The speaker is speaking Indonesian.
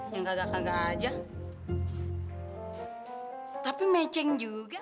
yang kagak kagak aja tapi meceng juga